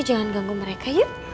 jangan ganggu mereka yuk